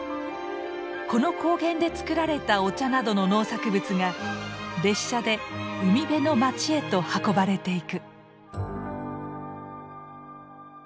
この高原で作られたお茶などの農作物が列車で海辺の街へと運ばれていく。